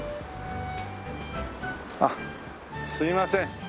あっすいません。